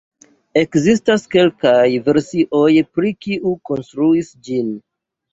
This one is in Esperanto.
Ekzistas kelkaj versioj pri kiu konstruis ĝin.